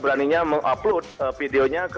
beraninya mengupload videonya